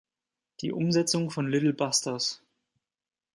Die Umsetzung von "Little Busters!